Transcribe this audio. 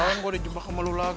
malam gua dijembat sama lo lagi